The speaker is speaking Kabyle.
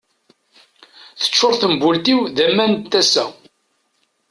Teččur tembult-iw d aman n tasa.